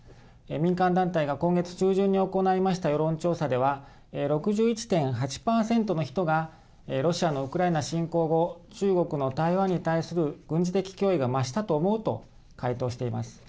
民間団体が今月中旬に行いました世論調査では６１．８％の人がロシアのウクライナ侵攻後中国の台湾に対する軍事的脅威が増したと思うと回答しています。